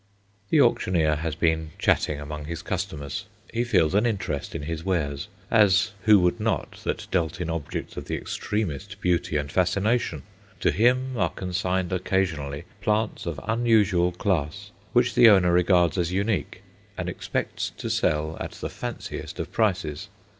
The auctioneer has been chatting among his customers. He feels an interest in his wares, as who would not that dealt in objects of the extremest beauty and fascination? To him are consigned occasionally plants of unusual class, which the owner regards as unique, and expects to sell at the fanciest of prices.